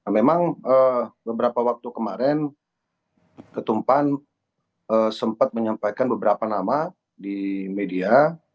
memang beberapa waktu kemarin ketumpan sempat menyampaikan beberapa nama di media